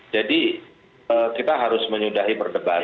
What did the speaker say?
jadi kita harus menyudahi perdebatan